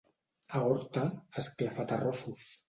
A Horta, esclafaterrossos.